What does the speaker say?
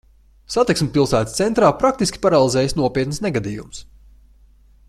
Satiksmi pilsētas centrā praktiski paralizējis nopietns negadījums.